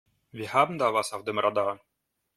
Wir haben da was auf dem Radar.